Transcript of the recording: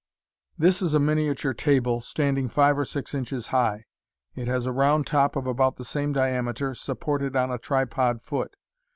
— This is a miniature table, standing five or six inches high. It has a round top of about the same diameter, sup ported on a tripod foot.